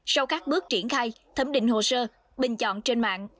sau các bước triển khai thấm định hồ sơ bình chọn trên mạng